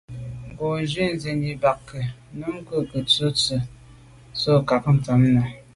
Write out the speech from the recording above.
Z’o ghù sènni ba ke ? Numk’o ke tsho’ tshe’ so kà ntsha’t’am à.